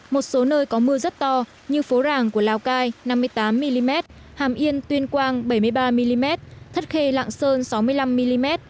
một số nơi có mưa rất to như phố ràng của lào cai năm mươi tám mm hàm yên tuyên quang bảy mươi ba mm thất khê lạng sơn sáu mươi năm mm